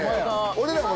俺らも。